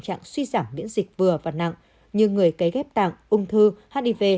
tình trạng suy giảm miễn dịch vừa và nặng như người cây ghép tạng ung thư hiv